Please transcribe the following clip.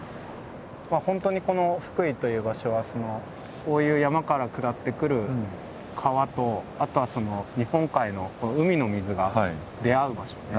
本当にこの福井という場所はこういう山から下ってくる川とあとは日本海の海の水が出会う場所で。